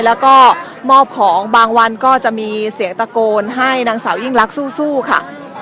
แล้วก็มอบของบางวันก็จะมีเสียงตะโกนให้นางสาวยิ่งรักสู้ค่ะ